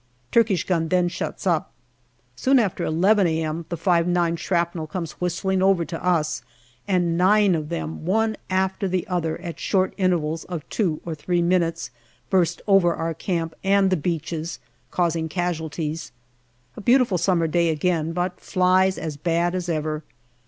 Turkish gun then shuts up. Soon after n a.m. the 5*9 shrapnel comes whistling over to us, and nine of them, one after the other, at short in tervals of two or three minutes, burst over our camp and the beaches, causing casualties. A beautiful summer day again, but flies as bad as ever.